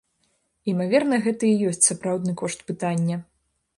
Імаверна, гэта і ёсць сапраўдны кошт пытання.